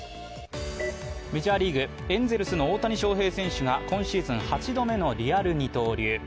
メジャーリーグ、エンゼルスの大谷翔平選手が今シーズン８度目のリアル二刀流。